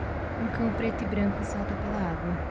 Um cão preto e branco salta pela água.